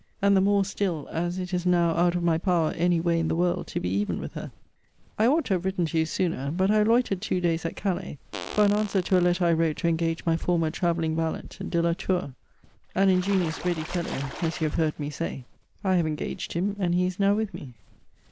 And the more still, as it is now out of my power any way in the world to be even with her. I ought to have written to you sooner; but I loitered two days at Calais, for an answer to a letter I wrote to engage my former travelling valet, De la Tour; an ingenious, ready fellow, as you have heard me say. I have engaged him, and he is now with me.